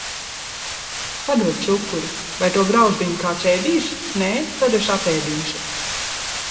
Padod cukuru! Vai to grauzdiņu kāds ēdīs? Nē, tad es apēdīšu.